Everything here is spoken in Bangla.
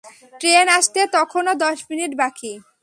ট্রেন আসতে তখনও দশ মিনিট বাকি।